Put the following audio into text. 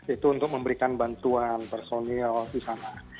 itu untuk memberikan bantuan personil di sana